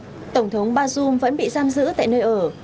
sau đó tổng thống bazoum vẫn bị giam giữ tại nơi ở